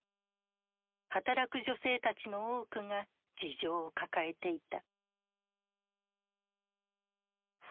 働く女性たちの多くが事情を抱えていた。